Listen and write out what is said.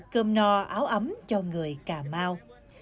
cơm no áo ấm cho người cà mau